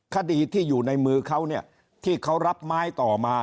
คดีที่อยู่ในมือเขาเนี่ยที่เขารับไม้ต่อมา